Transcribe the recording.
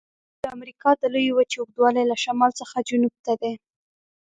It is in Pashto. د امریکا د لویې وچې اوږدوالی له شمال څخه جنوب ته دی.